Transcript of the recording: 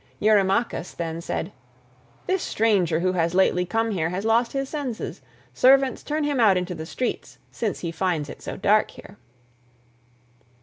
Eurymachus then said, "This stranger who has lately come here has lost his senses. Servants, turn him out into the streets, since he finds it so dark here."